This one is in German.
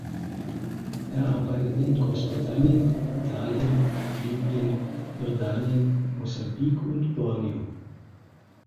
Er arbeitete in Großbritannien, Italien, Libyen, Jordanien, Mosambik und Borneo.